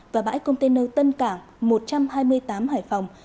và bãi container tân cảng một trăm hai mươi tám hải phòng